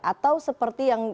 atau seperti yang